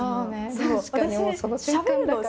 確かにもうその瞬間だから。